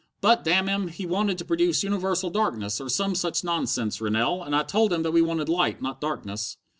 "But, damn him, he wanted to produce universal darkness, or some such nonsense, Rennell, and I told him that we wanted light, not darkness."